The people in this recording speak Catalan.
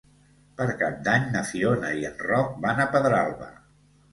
Per Cap d'Any na Fiona i en Roc van a Pedralba.